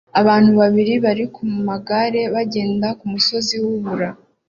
Abantu babiri bari kumagare bagenda kumusozi wubura